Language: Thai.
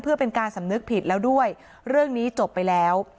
เพื่อเป็นการสำนึกผิดแล้วด้วยเรื่องนี้จบไปแล้ว